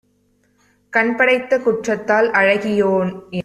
கண்படைத்த குற்றத்தால் அழகியோன்என்